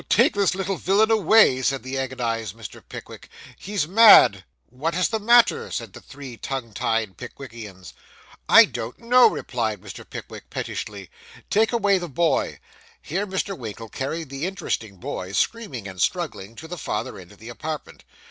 'Take this little villain away,' said the agonised Mr. Pickwick, 'he's mad.' 'What is the matter?' said the three tongue tied Pickwickians. 'I don't know,' replied Mr. Pickwick pettishly. 'Take away the boy.' (Here Mr. Winkle carried the interesting boy, screaming and struggling, to the farther end of the apartment.)